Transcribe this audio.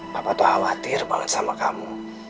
bapak tuh khawatir banget sama kamu